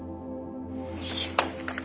よいしょ。